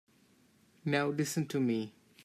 Now listen to me.